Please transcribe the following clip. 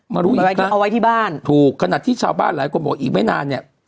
รู้อีกทีเอาไว้ที่บ้านถูกขนาดที่ชาวบ้านหลายคนบอกอีกไม่นานเนี่ย